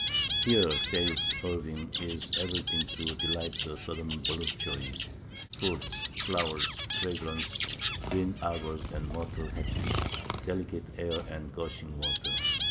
] "Here," says Irving, "is everything to delight a southern voluptuary: fruits, flowers, fragrance, green arbours and myrtle hedges, delicate air and gushing water.